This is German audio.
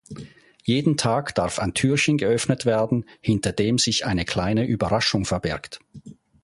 Jeden Tag darf ein Türchen geöffnet werden, hinter dem sich eine kleine Überraschung verbirgt.